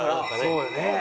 そうよね。